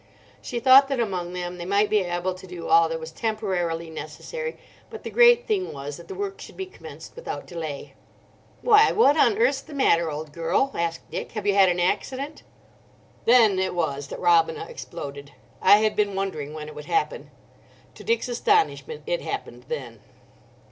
She thought that among them they might be able to do all that was temporarily necessary, but the great thing was that the work should be commenced without delay. "Why, what on earth's the matter, old girl?" asked Dick. "Have you had an accident?" Then it was that Robina exploded. I had been wondering when it would happen. To Dick's astonishment it happened then.